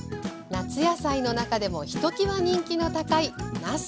夏野菜の中でもひときわ人気の高いなす。